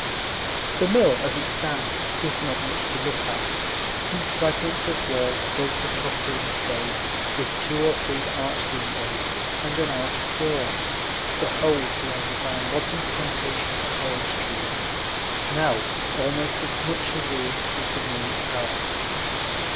The mill, as it stands, is not much to look at: some fragments of wall built of coquina stone, with two or three arched windows and an arched door, the whole surrounded by a modern plantation of orange trees, now almost as much a ruin as the mill itself.